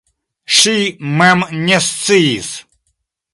Ŝi mem ne sciis.